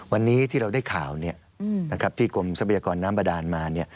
วันนี้ที่เราได้ข่าวที่กรมทรัพยากรน้ำบาดานมา